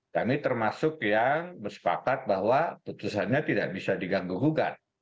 kami termasuk yang bersepakat bahwa putusannya tidak bisa diganggu gugat